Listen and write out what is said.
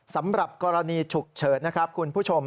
สำหรับกรณีฉุกเฉินนะครับคุณผู้ชม